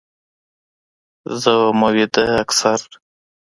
زه ومه ويده اكثر